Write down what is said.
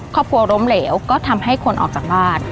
ครอบครัวล้มเหลวก็ทำให้คนออกจากบ้าน